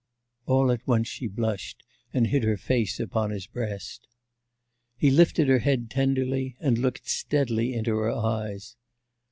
All at once she blushed and hid her face upon his breast. He lifted her head tenderly and looked steadily into her eyes.